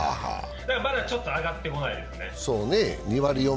だから、まだちょっと上がってこないですね。